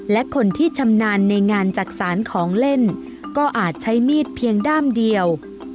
และคนที่ชำนาญในงานจักษานของเล่นก็อาจใช้มีดเพียงด้ามเดียว